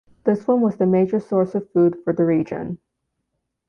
This one was the major source of food for the region.